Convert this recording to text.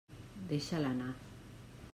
Deixa-la anar.